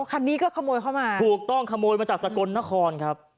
คันนี้ก็ขโมยเข้ามาถูกต้องขโมยมาจากสกลนครครับ